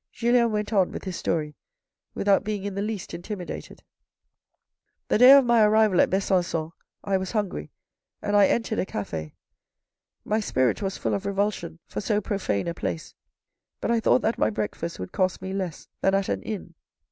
Julien went on with his story without being in the least intimidated :— "The day of my arrival at Besancon I was hungry, and I entered a cafe. My spirit was full of revulsion for so profane a place, but I thought that my breakfast would cost me less than at an inn.